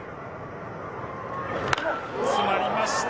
つまりました。